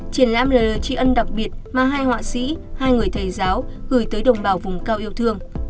triển lãm là lời tri ân đặc biệt mà hai họa sĩ hai người thầy giáo gửi tới đồng bào vùng cao yêu thương